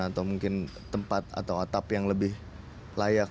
atau mungkin tempat atau atap yang lebih layak